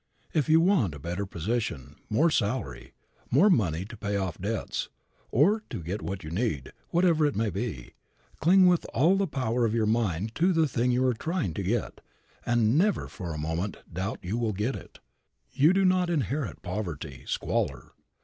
If you want a better position, more salary, money to pay off debts, or to get what you need, whatever it may be, cling with all the power of your mind to the thing you are trying to get, and never for a moment doubt you will get it. You do not inherit poverty, squalor.